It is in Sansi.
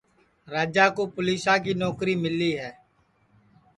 راجا کُو پُولِیسا کی نوکری مِلی ہے